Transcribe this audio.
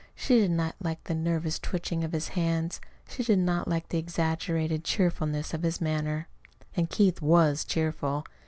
She did not like the nervous twitching of his hands. She did not like the exaggerated cheerfulness of his manner. And Keith WAS cheerful.